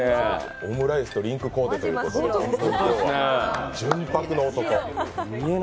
オムライスとリンクコーデということで純白の男。